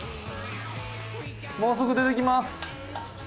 もうすぐ出てきます！